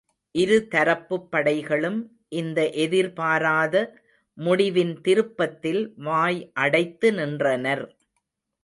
இரு தரப்புப் படைகளும் இந்த எதிர்பாராத முடிவின் திருப்பத்தில் வாய் அடைத்து நின்றனர்.